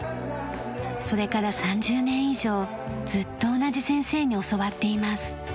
それから３０年以上ずっと同じ先生に教わっています。